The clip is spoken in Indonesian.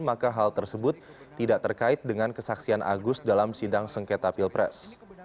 maka hal tersebut tidak terkait dengan kesaksian agus dalam sidang sengketa pilpres